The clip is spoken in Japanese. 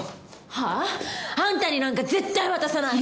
は？あんたになんて絶対渡さない。